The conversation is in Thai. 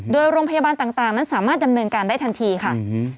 โดยโรงพยาบาลต่างนั้นสามารถดำเนินการได้ทันทีค่ะ